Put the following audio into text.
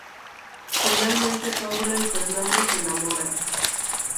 Finalmente Paula y Fernando se enamoran.